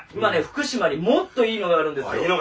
福島にもっといいのがあるんですよ。